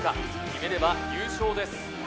決めれば優勝です